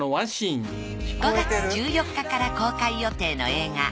５月１４日から公開予定の映画